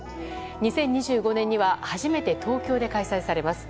２０２５年には初めて東京で開催されます。